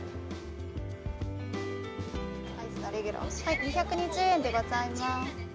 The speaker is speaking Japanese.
２２０円でございます。